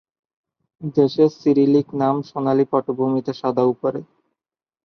দেশের সিরিলিক নাম সোনালি পটভূমিতে সাদা উপরে।